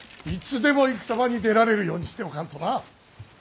いつでも戦場に出られるようにしておかんとな。